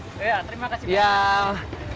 terima kasih banyak